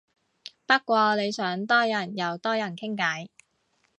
不過你想多人又多人傾偈